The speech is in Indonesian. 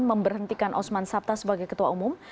memberhentikan osman sabta sebagai ketua umum